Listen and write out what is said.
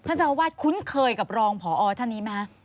เจ้าอาวาสคุ้นเคยกับรองพอท่านนี้ไหมคะ